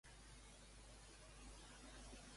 Què ocorreria si això passes?